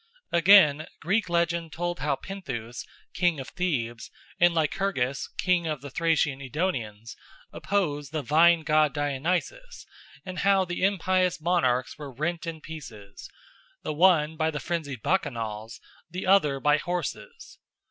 Again, Greek legend told how Pentheus, king of Thebes, and Lycurgus, king of the Thracian Edonians, opposed the vine god Dionysus, and how the impious monarchs were rent in pieces, the one by the frenzied Bacchanals, the other by horses.